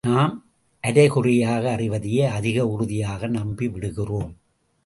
நாம் அரைகுறையாக அறிவதையே அதிக உறுதியாக நம்பிவிடுகிறோம்.